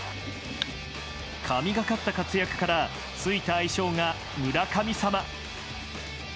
神がかかった活躍からついた愛称が村神様。